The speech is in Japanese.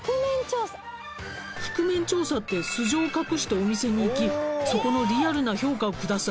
覆面調査って素性を隠してお店に行きそこのリアルな評価を下すあれよね？